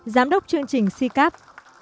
giám đốc chương trình sicap